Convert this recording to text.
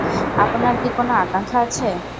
আপনার কি কোন আকাংখা আছে?